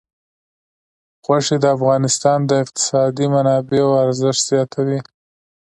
غوښې د افغانستان د اقتصادي منابعو ارزښت زیاتوي.